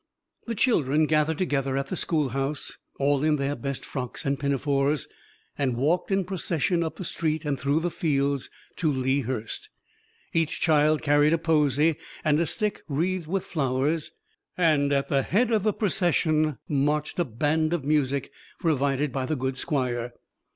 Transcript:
The children gathered together at the school house, all in their best frocks and pinafores, and walked in procession up the street and through the fields to Lea Hurst. Each child carried a posy and a stick wreathed with flowers, and at the head of the procession marched a band of music, provided by the good squire.